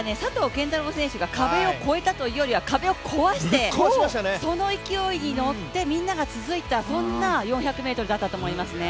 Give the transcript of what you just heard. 拳太郎選手が壁を超えたというより壁を壊して、その勢いに乗ってみんなが続いた、そんな４００ｍだったと思いますね。